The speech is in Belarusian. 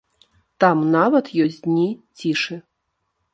Там нават ёсць дні цішы.